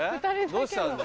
どうしたんだ？